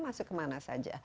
masuk kemana saja